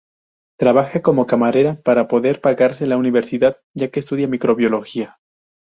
Trabaja como camarera para poder pagarse la universidad, ya que estudia microbiología.